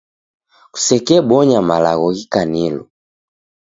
Kusekebonya malagho ghikanilo.